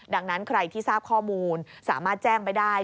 ดังนั้นใครที่ทราบข้อมูลสามารถแจ้งไปได้